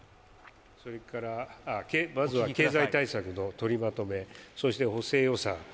それからまずは経済対策の取りまとめそして補正予算